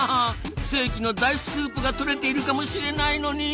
世紀の大スクープが撮れているかもしれないのに。